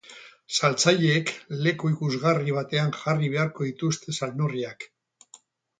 Saltzaileek leku ikusgarri batean jarri beharko dituzte salneurriak.